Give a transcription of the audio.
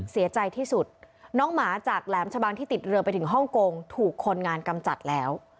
เสียใจที่สุดน้องหมาจากแหลมชะบังที่ติดเรือไปถึงฮ่องกงถูกคนงานกำจัดแล้ว